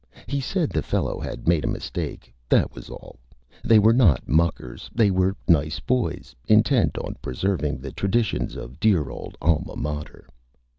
He said the Fellow had made a Mistake, that was all; they were not Muckers; they were Nice Boys, intent on preserving the Traditions of dear old Alma Mater.